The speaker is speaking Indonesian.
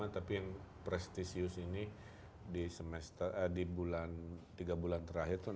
tapi yang prestisius ini di semester di tiga bulan terakhir itu enam tujuh